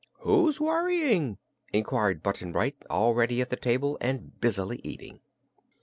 "Who's worrying?" inquired Button Bright, already at the table and busily eating.